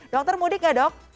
dokter mudik gak dok